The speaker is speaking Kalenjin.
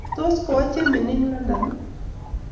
Tos ko wo Chemining' London ii?